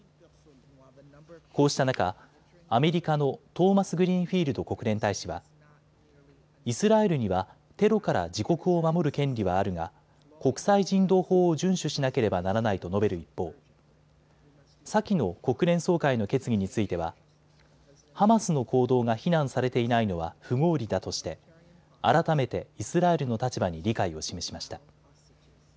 こうした中、アメリカのトーマスグリーンフィールド国連大使はイスラエルにはテロから自国を守る権利はあるが国際人道法を順守しなければならないと述べる一方、先の国連総会の決議についてはハマスの行動が非難されていないのは不合理だとして改めてイスラエルの立場に理解を示しました。